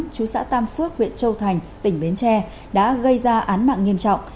chú xã tam phước huyện châu thành tỉnh bến tre đã gây ra án mạng nghiêm trọng